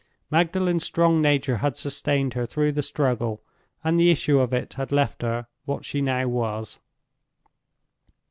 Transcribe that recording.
Magdalen's strong nature had sustained her through the struggle; and the issue of it had left her what she now was.